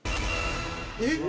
えっ？